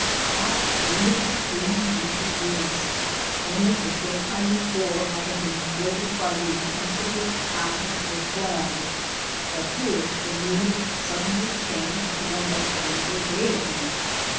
How wonderful human nature is! Only a short time before I had been thrilled by the intensity of the passion of the throng, but here the mood suddenly changed to one of friendly gayety.